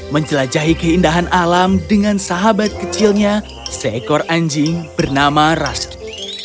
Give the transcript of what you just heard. menjelajahi keindahan alam dengan sahabat kecilnya seekor anjing bernama rashid